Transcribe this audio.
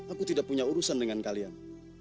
aku tidak punya urusan dengan kalian